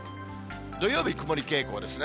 土曜日、曇り傾向ですね。